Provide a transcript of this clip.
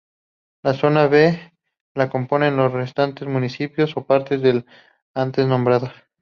La zona B la componen los restantes municipios o partes de los antes nombrados.